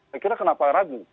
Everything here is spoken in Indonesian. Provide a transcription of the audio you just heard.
saya kira kenapa ragu